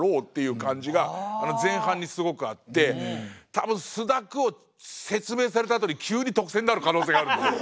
多分「すだく」を説明されたあとに急に特選になる可能性があるんですよ。